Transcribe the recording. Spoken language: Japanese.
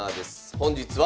本日は。